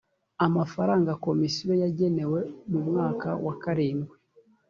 amafaranga komisiyo yagenewe mu mwaka wa karindwi